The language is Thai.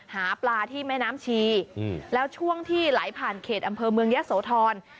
หาปลาที่แม่น้ำชีแล้วช่วงที่ไหลผ่านเขตอำเภอเมืองยะโสธร